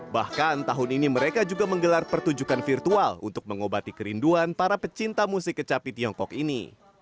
bahkan tahun ini mereka juga menggelar pertunjukan virtual untuk mengobati kerinduan para pecinta musik kecapi tiongkok ini